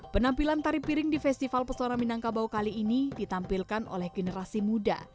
penampilan tari piring di festival pesona minangkabau kali ini ditampilkan oleh generasi muda